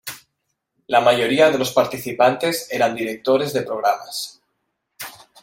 La mayoría de los participantes eran directores de programas.